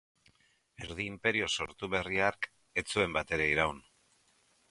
Erdi-inperio sortu berri hark ez zuen batere iraun.